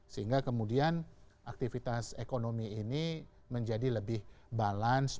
sehingga kemudian aktivitas ekonomi ini menjadi lebih balance